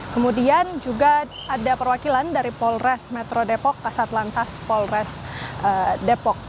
kemudian juga ada perwakilan dari polres metro depok kasat lantas polres depok